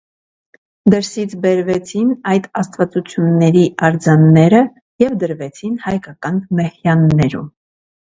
Դրսից բերվեցին այդ աստվածությունների արձանները և դրվեցին հայկական մեհյաններում։